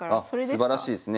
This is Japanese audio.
すばらしいですね。